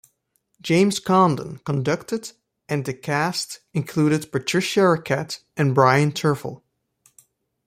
James Conlon conducted, and the cast included Patricia Racette and Bryn Terfel.